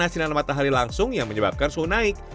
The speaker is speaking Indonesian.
tak terkena sinar matahari langsung yang menyebabkan suhu naik